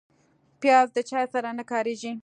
پیاز د چای سره نه کارېږي